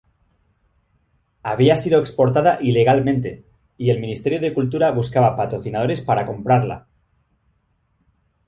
Había sido exportada ilegalmente, y el Ministerio de Cultura buscaba patrocinadores para comprarla.